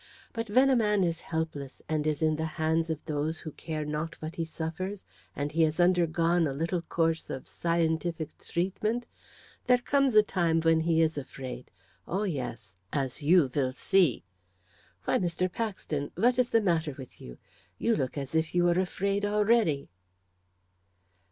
But when a man is helpless, and is in the hands of those who care not what he suffers, and he has undergone a little course of scientific treatment, there comes a time when he is afraid oh, yes! As you will see. Why, Mr. Paxton, what is the matter with you? You look as if you were afraid already."